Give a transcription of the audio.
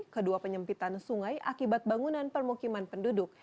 kedua penyempitan sungai akibat bangunan permukiman penduduk